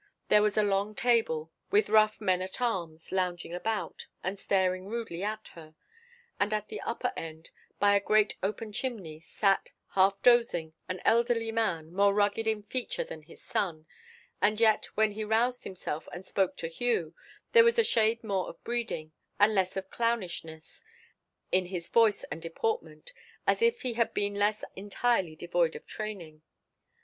There was a long table, with rough men at arms lounging about, and staring rudely at her; and at the upper end, by a great open chimney, sat, half dozing, an elderly man, more rugged in feature than his son; and yet, when he roused himself and spoke to Hugh, there was a shade more of breeding, and less of clownishness in his voice and deportment, as if he had been less entirely devoid of training.